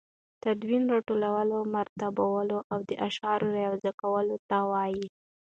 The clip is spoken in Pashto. تدوین راټولو، مرتبولو او د اشعارو رايو ځاى کولو ته وايي.